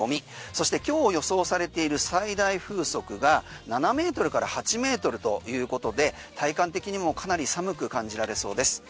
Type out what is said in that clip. そして今日予想されている最大風速が７ｍから８ｍということで体感的にもかなり寒く感じられそうです。